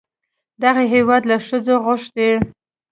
دغه هېواد له ښځو غوښتي